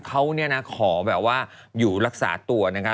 เขาเนี่ยนะขอแบบว่าอยู่รักษาตัวนะคะ